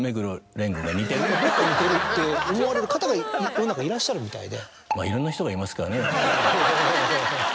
似てるって思われる方が世の中いらっしゃるみたいで。